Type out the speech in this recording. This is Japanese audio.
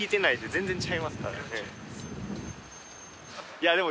いやでも。